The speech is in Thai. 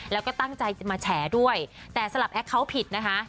แล้วก็ตั้งใจจะมาแฉด้วยแต่สลับแอคเคาน์ผิดนะคะ